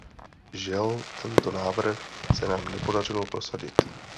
Žel tento návrh se nám nepodařilo prosadit.